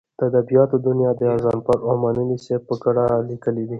د ادبیاتو دونیا غضنفر اومنلی صاحب په کډه لیکلې ده.